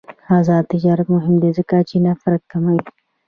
آزاد تجارت مهم دی ځکه چې نفرت کموي.